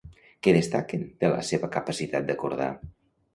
Què destaquen de la seva capacitat d'acordar?